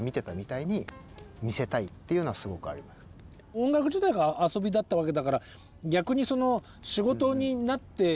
音楽自体が遊びだったわけだから逆に仕事になっている